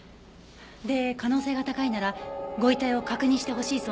で可能性が高いならご遺体を確認してほしいそうなんですが。